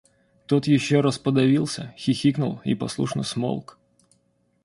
Тот еще раз подавился, хихикнул и послушно смолк.